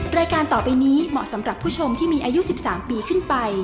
รายการต่อไปนี้เหมาะสำหรับผู้ชมที่มีอายุ๑๓ปีขึ้นไป